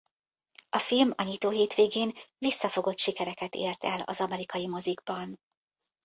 A film a nyitóhétvégén visszafogott sikereket ért el az amerikai mozikban.